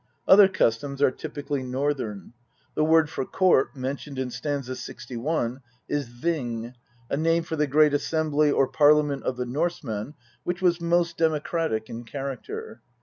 Other customs are typically Northern. The word for court mentioned in st. 61 is \>ing, a name for the great assembly or parliament of the Norsemen, which was most democratic in character.